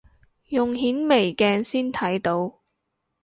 用顯微鏡先睇到